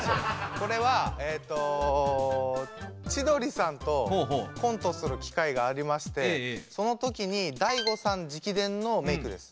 これは千鳥さんとコントする機会がありましてその時に大悟さん直伝のメークです。